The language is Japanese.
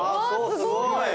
すごい！